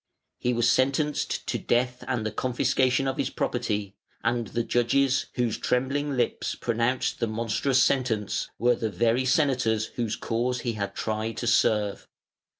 He was sentenced to death and the confiscation of his property; and the judges whose trembling lips pronounced the monstrous sentence were the very senators whose cause he had tried to serve.